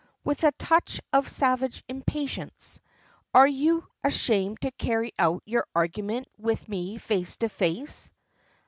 with a touch of savage impatience. "Are you ashamed to carry out your argument with me face to face?"